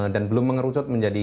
dan belum mengerucut menjadi